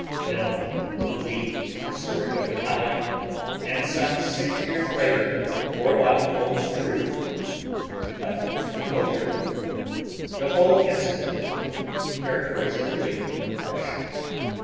No one believed the story of the colic; and some six years later Alexis Orloff told the truth with the utmost composure. The whole incident was characteristically Russian.